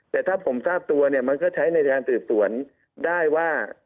แต่ถ้าผมทราบตัวเนี่ยมันก็ใช้ในการสืบสวนได้ว่า